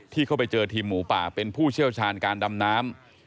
เข้าไปเจอทีมหมูป่าเป็นผู้เชี่ยวชาญการดำน้ำ